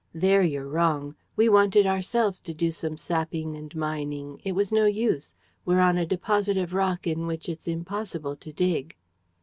"There you're wrong. We wanted ourselves to do some sapping and mining. It was no use. We're on a deposit of rock in which it's impossible to dig."